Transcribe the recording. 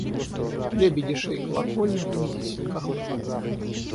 Лебеди шей колокольных, гнитесь в силках проводов!